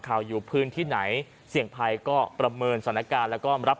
อยู่พื้นที่ไหนเสี่ยงภัยก็ประเมินสถานการณ์แล้วก็รับ